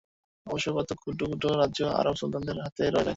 অবশ্য কতক ক্ষুদ্র ক্ষুদ্র রাজ্য আরব সুলতানদের হাতে রয়ে যায়।